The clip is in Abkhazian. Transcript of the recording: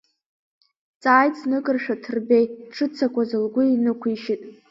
Дҵааит зныкыршәа Ҭырбеи, дшыццакуазгьы лгәы инықәишьит.